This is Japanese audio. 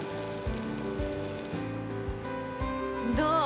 どう？